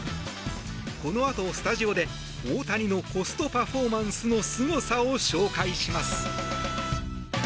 このあとスタジオで大谷のコストパフォーマンスのすごさを紹介します。